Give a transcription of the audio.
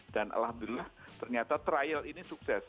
dan alhamdulillah ternyata trial ini sukses